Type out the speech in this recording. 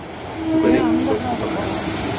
Pupeny jsou chlupaté.